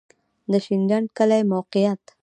د شینډنډ کلی موقعیت